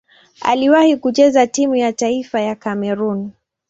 Aliwahi kucheza timu ya taifa ya Kamerun.